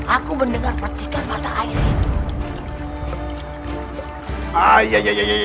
aku mendengar percikan mata air ini